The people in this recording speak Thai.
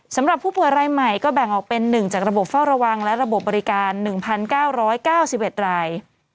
สำหรับผู้ป่วยรายใหม่ก็แบ่งออกเป็น๑จากระบบเฝ้าระวังและระบบบริการ๑๙๙๑ราย